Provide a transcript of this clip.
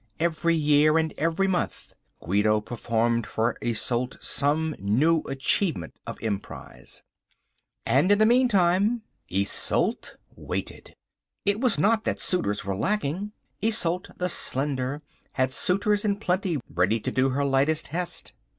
Every year and every month Guido performed for Isolde some new achievement of emprise. And in the meantime Isolde waited. It was not that suitors were lacking. Isolde the Slender had suitors in plenty ready to do her lightest hest.